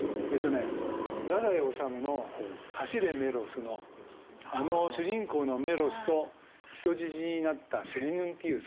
太宰治の「走れメロス」のあの主人公のメロスと人質になったセリヌンティウス。